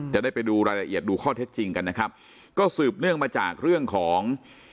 จะได้ไปดูรายละเอียดดูข้อเท็จจริงกันนะครับก็สืบเนื่องมาจากเรื่องของ